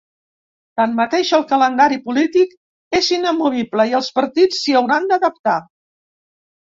Tanmateix, el calendari polític és inamovible i els partits s’hi hauran d’adaptar.